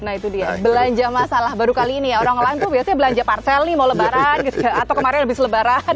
nah itu dia belanja masalah baru kali ini ya orang lain tuh biasanya belanja parcel nih mau lebaran atau kemarin habis lebaran